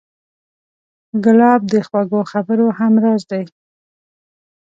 ګلاب د خوږو خبرو همراز دی.